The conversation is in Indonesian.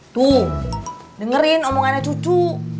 tuh dengerin omongannya cucu